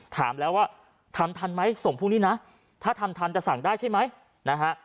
ถามแล้วว่าทำทันไหมส่งพรุ่งนี้นะถ้าทำทันจะสั่งได้ใช่ไหมนะฮะ